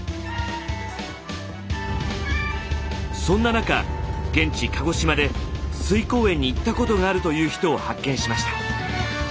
そんな中現地鹿児島で翠光園に行ったことがあるという人を発見しました。